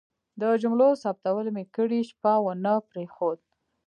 د جملو ثبتول مې کرۍ شپه ونه پرېښود.